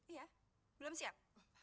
iya belum siap